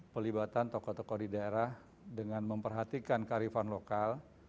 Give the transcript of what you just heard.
pelibatan tokoh tokoh di daerah dengan memperhatikan karifan lokal